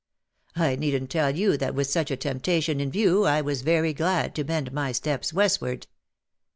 I needn't tell you that with such a temptation in view I was very glad to bend my steps westward.